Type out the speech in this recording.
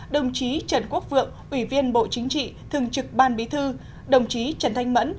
đồng chí trần quốc vượng ủy viên bộ chính trị thường trực ban bí thư đồng chí trần thanh mẫn